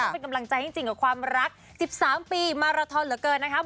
เป็นกำลังใจจริงกับความรัก๑๓ปีมาราทอนเหลือเกินนะครับ